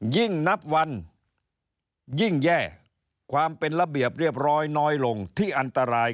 ยิ่งนับวันยิ่งแย่ความเป็นระเบียบเรียบร้อยน้อยลงที่อันตราย